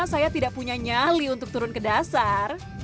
saya tidak punya nyali untuk turun ke dasar